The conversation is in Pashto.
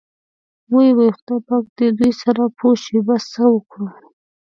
وۍ وۍ خدای پاک دې دوی سره پوه شي، بس څه وکړو.